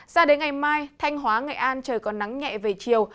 ra đến ngày mai thanh hóa nghệ an trời còn nắng nhẹ về chiều